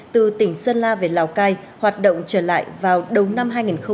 từ tỉnh sơn la về lào cai hoạt động trở lại vào đống năm hai nghìn hai mươi một